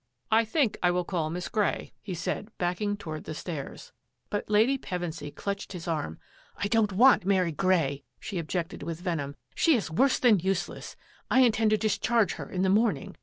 " I think I will call Miss Grey," he said, back ing toward the stairs. But Lady Pevensy clutched his arm. " I don't want Mary Grey," she objected with venom. " She is worse than useless. I intend to discharge her in the morning.